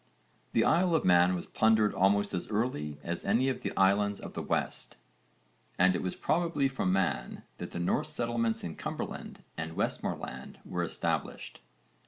The Isle of Man was plundered almost as early as any of the islands of the West (v. supra, p. 12), and it was probably from Man that the Norse settlements in Cumberland and Westmorland were established.